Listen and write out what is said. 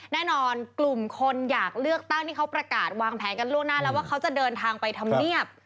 แน่นอนกลุ่มคนอยากเลือกตั้งที่เขาประกาศวางแผนกันล่วงหน้าแล้วว่าเขาจะเดินทางไปทำเนียบ